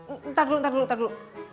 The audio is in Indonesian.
bentar dulu bentar dulu